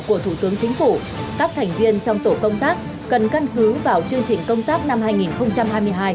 của thủ tướng chính phủ các thành viên trong tổ công tác cần căn cứ vào chương trình công tác năm hai nghìn hai mươi hai